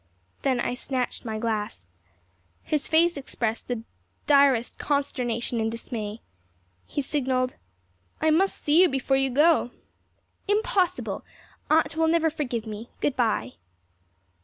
Then I snatched my glass. His face expressed the direst consternation and dismay. He signalled: "I must see you before you go." "Impossible. Aunt will never forgive me. Good bye."